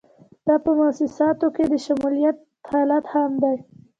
دا په موسساتو کې د شمولیت حالت هم دی.